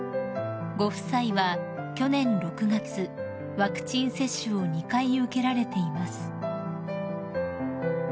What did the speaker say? ［ご夫妻は去年６月ワクチン接種を２回受けられています］